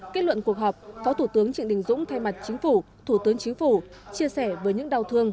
kết luận cuộc họp phó thủ tướng trịnh đình dũng thay mặt chính phủ thủ tướng chính phủ